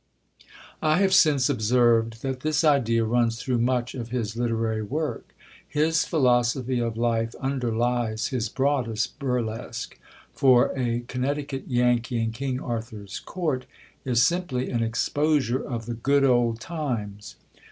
I have since observed that this idea runs through much of his literary work. His philosophy of life underlies his broadest burlesque for A Connecticut Yankee in King Arthur's Court is simply an exposure of the "good old times."